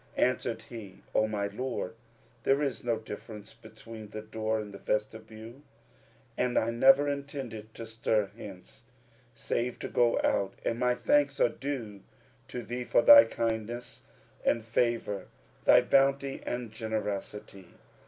Answered he, "O my lord, there is no difference between the door and the vestibule, and I never intended to stir hence, save to go out; and my thanks are due to thee for thy kindness and favour, thy bounty and generosity."